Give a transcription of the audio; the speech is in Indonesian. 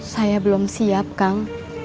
saya belum siap kang